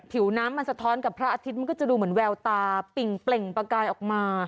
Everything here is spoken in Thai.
ผิวน้ำมันสะท้อนกับพระอาทิตย์มันก็จะดูเหมือนแววตาปิ่งเปล่งประกายออกมา